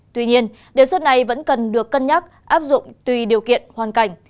tuy nhiên đề xuất này vẫn cần được cân nhắc áp dụng tùy điều kiện hoàn cảnh